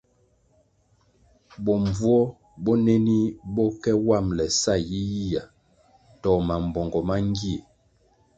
Bombvuo bonenih bo ke wambʼle sa yiyihya to mambpongo mangie,